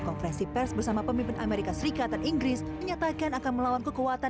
konferensi pers bersama pemimpin amerika serikat dan inggris menyatakan akan melawan kekuatan